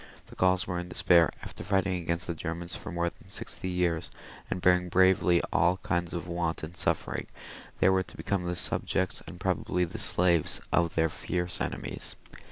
The Gauls were in despair. After fighting against the Germans for more than sixty years, and bearing bravdy all kinds of want and suffering, they were to be come the subjects and probably the slaves of their fierce enemies.